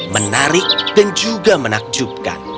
menarik dan juga menakjubkan